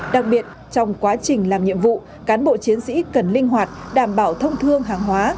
đặc biệt trong quá trình làm nhiệm vụ cán bộ chiến sĩ cần linh hoạt đảm bảo thông thương hàng hóa